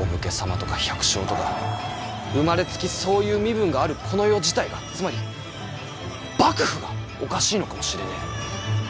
お武家様とか百姓とか生まれつきそういう身分があるこの世自体がつまり幕府がおかしいのかもしれねぇ。